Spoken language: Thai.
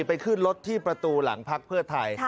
ไปขึ้นรถที่ประตูหลังพักเพื่อไทย